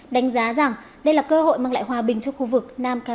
đánh giá rằng đây là cơ hội mang lại hòa bình cho khu vực